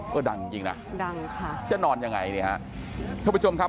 ก็ดังจริงนะดังค่ะจะนอนยังไงท่านผู้ชมครับ